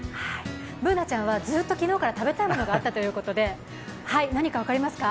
Ｂｏｏｎａちゃんはずっと昨日から食べたいものがあったということで何か分かりますか？